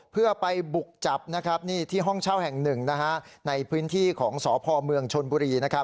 เพื่อไปบุกจับที่ห้องเช่าแห่งหนึ่งในพื้นที่ของสพเมืองชนบุรี